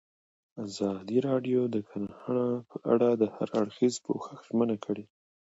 ازادي راډیو د کرهنه په اړه د هر اړخیز پوښښ ژمنه کړې.